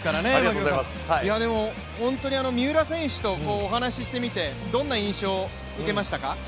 本当に三浦選手とお話ししてみてどんな印象を受けましたか？